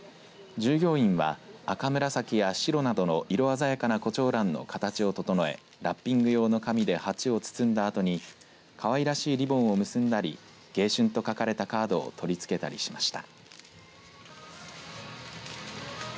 従業員は赤紫や白などの色鮮やかなコチョウランの形を整えラッピング用の紙で鉢を包んだあとにかわいらしいリボンを結んだり迎春と書かれたカードを取り付けたりしました。